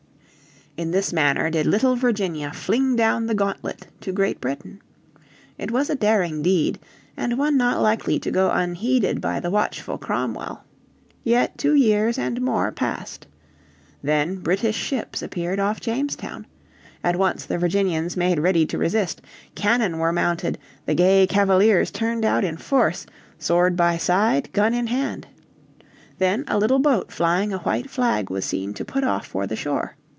In this manner did little Virginia fling down the gauntlet to Great Britain. It was a daring deed, and one not likely to go unheeded by the watchful Cromwell. Yet two years and more passed. Then British ships appeared off Jamestown. At once the Virginians made ready to resist; cannon were mounted; the gay Cavaliers turned out in force, sword by side, gun in hand. Then a little boat flying a white flag was seen to put off for the shore.